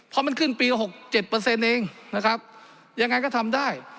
เพราะมันขึ้นปี๖๗เองนะครับยังไงก็ทำได้